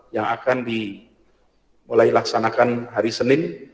yang akan dimulai laksanakan hari senin